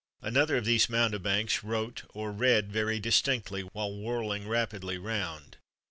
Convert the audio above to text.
Another of these mountebanks wrote or read very distinctly while whirling rapidly round.